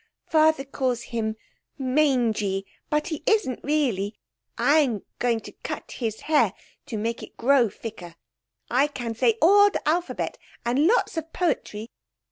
'Father calls him mangy, but he isn't, really. I'm going to cut its hair to make it grow thicker. I can say all the alphabet and lots of poetry.